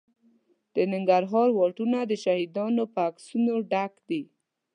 د ننګرهار واټونه د شهیدانو په عکسونو ډک دي.